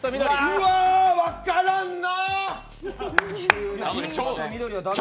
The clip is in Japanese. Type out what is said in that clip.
うわ、分からんな！